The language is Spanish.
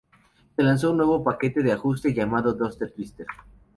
Se lanzó un nuevo paquete de ajuste, llamado Duster Twister.